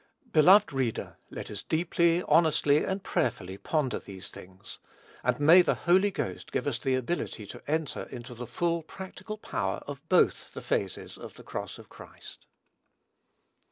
Beloved reader, let us deeply, honestly, and prayerfully ponder these things; and may the Holy Ghost give us the ability to enter into the full practical power of both the phases of the cross of Christ.